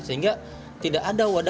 sehingga tidak ada wadah